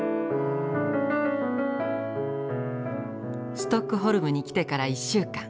ストックホルムに来てから１週間。